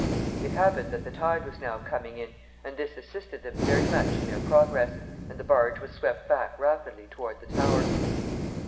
It happened that the tide was now coming in, and this assisted them very much in their progress, and the barge was swept back rapidly toward the Tower.